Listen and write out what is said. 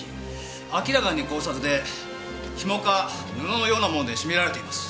明らかに絞殺でひもか布のようなもので絞められています。